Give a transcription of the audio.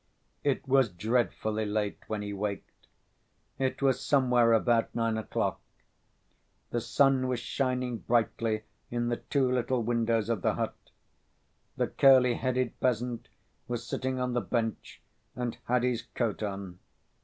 It was dreadfully late when he waked. It was somewhere about nine o'clock. The sun was shining brightly in the two little windows of the hut. The curly‐headed peasant was sitting on the bench and had his coat on.